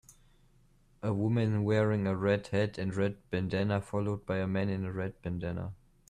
A woman wearing a red hat and red bandanna followed by a man in a red bandanna.